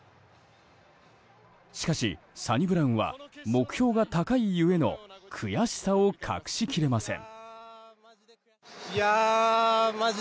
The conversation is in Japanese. しかし、サニブラウンは目標が高いがゆえの悔しさを隠し切れません。